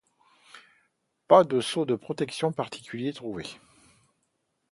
Pas de statut de protection particulier trouvé.